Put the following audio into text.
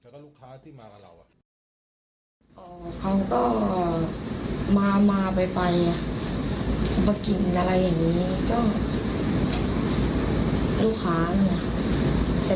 เราม่่อยคิดไม่ฟันว่าเขาจะมาทำไว้